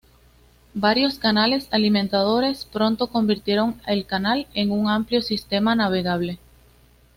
Varios canales alimentadores pronto convirtieron el canal en un amplio sistema navegable.